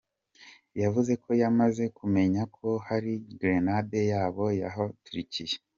Yavuze ko yamaze kumenya ko hari grenade yoba yahaturikiye.